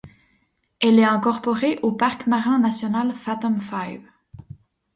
Elle est incorporée au parc marin national Fathom Five.